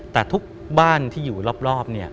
แต่ทุกบ้านที่อยู่รอบ